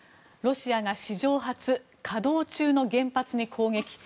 ロシアが史上初稼働中の原発に攻撃。